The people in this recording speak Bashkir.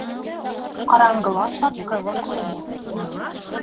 Ҡараңғыла сатҡы ла күренер.